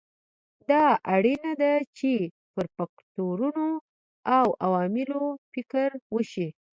دا اړینه ده چې پر فکټورونو او عواملو فکر وشي.